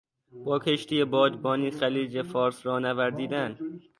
با کشتی بادبانی خلیج فارس را نوردیدن